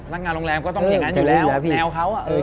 นักงานโรงแรมก็ต้องอย่างนั้นอยู่แล้วแมวเขา